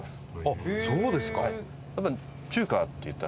あっそうですか。